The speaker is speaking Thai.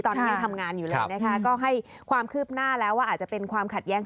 ตอนนี้ยังทำงานอยู่เลยนะคะก็ให้ความคืบหน้าแล้วว่าอาจจะเป็นความขัดแย้ง